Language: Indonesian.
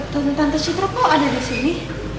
tante tante citra kok ada disini